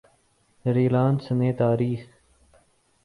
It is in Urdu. ریلائنس نے تاریخ